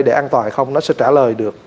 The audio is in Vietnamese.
để an toàn hay không nó sẽ trả lời được